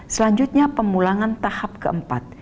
selanjutnya pemulangan tahap keempat